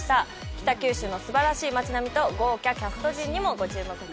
北九州の素晴らしい街並みと豪華キャスト陣にもご注目ください。